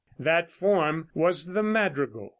That form was the madrigal.